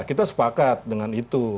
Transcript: kita sepakat dengan itu